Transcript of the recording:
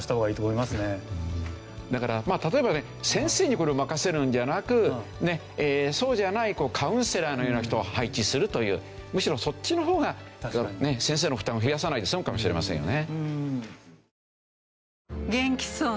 だからまあ例えばね先生にこれを任せるんじゃなくそうじゃないカウンセラーのような人を配置するというむしろそっちの方が先生の負担を増やさないで済むかもしれませんよね。